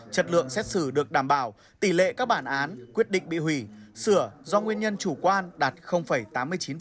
chất lượng xét xử được đảm bảo tỷ lệ các bản án quyết định bị hủy sửa do nguyên nhân chủ quan đạt tám mươi chín